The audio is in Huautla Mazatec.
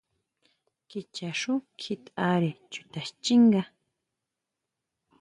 Kicha xú kjitʼare chuta xchínga.